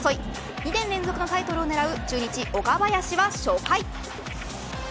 ２年連続のタイトルを狙う中日、岡林は初回。